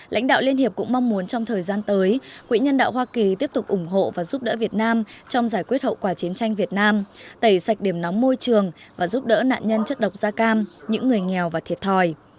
lãnh đạo liên hiệp cũng mong muốn trong thời gian tới quỹ nhân đạo hoa kỳ tiếp tục ủng hộ và giúp đỡ việt nam trong giải quyết hậu quả chiến tranh việt nam tẩy sạch điểm nóng môi trường và giúp đỡ nạn nhân chất độc da cam những người nghèo và thiệt thòi